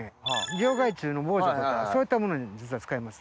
病害虫の防除とかそういったものに実は使います。